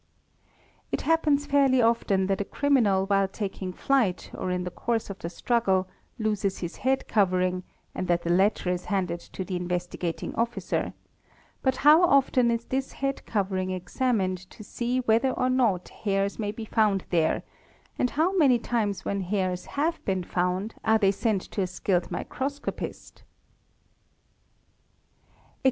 It happens fairly often that a criminal while taking flight or in the — course of the struggle loses his nead covering and that the latter is — handed to the Investigating Officer, but how often is this head covering examined to see whether or not hairs may be found there and how many ~ times when hairs have been found are they sent to a skilled microscopist